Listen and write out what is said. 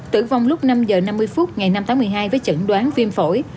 tử vong lúc năm h năm mươi phút ngày năm tháng một mươi hai với chẩn đoán viêm phổi